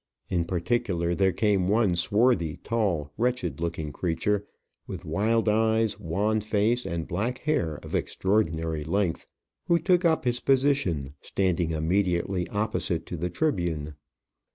In particular, there came one swarthy, tall, wretched looking creature, with wild eyes, wan face, and black hair of extraordinary length, who took up his position, standing immediately opposite to the tribune.